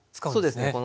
そうですね